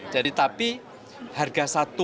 jadi tapi harga satu